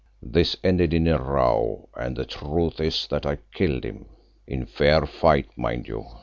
This ended in a row and the truth is that I killed him—in fair fight, mind you.